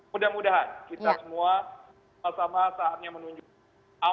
mudah mudahan kita semua sama sama saatnya menunjukkan